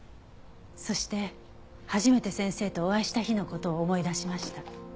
そして初めて先生とお会いした日の事を思い出しました。